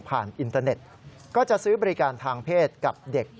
อินเตอร์เน็ตก็จะซื้อบริการทางเพศกับเด็ก